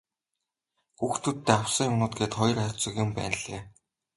Хүүхдүүддээ авсан юмнууд гээд хоёр хайрцаг юм байнлээ.